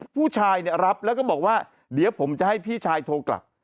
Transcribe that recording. ผู้ชายรับแล้วก็บอกว่าเดี๋ยวผมจะให้พี่ชายโทรกลับ